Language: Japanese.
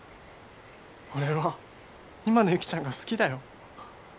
俺は今の雪ちゃんが好きだよ。